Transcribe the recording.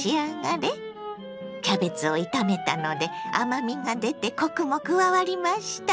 キャベツを炒めたので甘みが出てコクも加わりました。